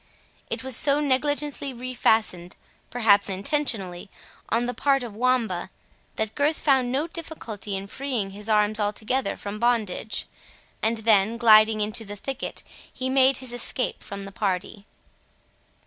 It was so negligently refastened, perhaps intentionally, on the part of Wamba, that Gurth found no difficulty in freeing his arms altogether from bondage, and then, gliding into the thicket, he made his escape from the party.